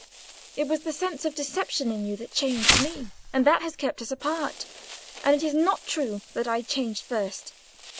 "It was the sense of deception in you that changed me, and that has kept us apart. And it is not true that I changed first.